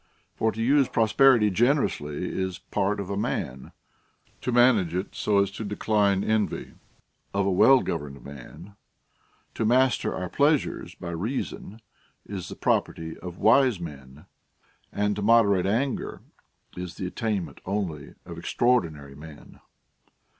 For to use prosperity generously is the part of a man ; to manage it so as to decline envy, of a well governed man ; to master our pleasures by reason is the property of wise men ; and to moderate anger is the attainment only of extraordinary men.